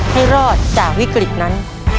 ให้รอดจากวิกฤตนั้น